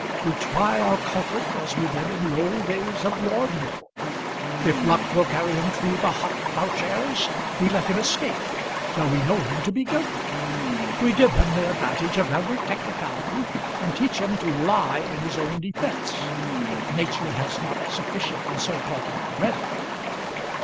We try our culprit as we did in the old days of the ordeal. If luck will carry him through the hot ploughshares, we let him escape though we know him to be guilty. We give him the advantage of every technicality, and teach him to lie in his own defence, if nature has not sufficiently so taught him already."